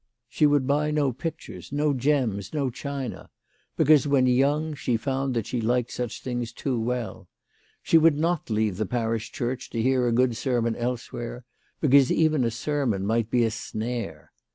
She would buy no pictures, no gems, no china, because when young she found that she liked such things too well. She would not leave the parish church to hear a good sermon elsewhere, because even a sermon might be a snare.